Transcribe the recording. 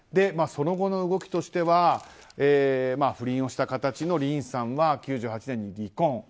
その後の動きとしては不倫をした形のリンさんは９８年に離婚。